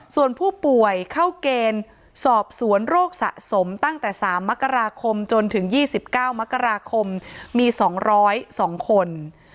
ส่วนผู้ป่วยเข้าเกณฑ์สอบสวนโรคสะสมตั้งแต่๓มกราคมจนถึง๒๙มกราคมมี๒๐๒คน